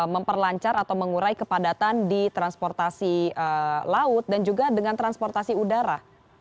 memperlancar atau mengurai kepadatan di transportasi laut dan juga dengan transportasi udara